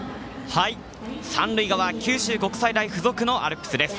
三塁側、九州国際大付属のアルプスです。